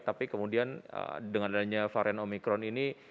tapi kemudian dengan adanya varian omikron ini